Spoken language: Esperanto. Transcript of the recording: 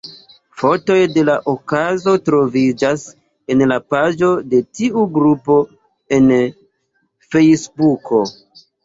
Fotoj de la okazo troviĝas en la paĝo de tiu grupo en Fejsbuko.